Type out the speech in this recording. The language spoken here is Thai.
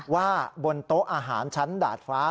ว่าบนโต๊ะอาหารชั้นดาดฟ้า